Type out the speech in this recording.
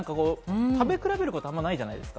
食べ比べることってあんまりないじゃないですか。